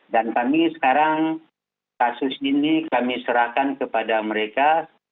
dan kami sekarang kasus ini kami serahkan kepada mereka